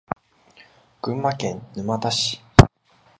群馬県沼田市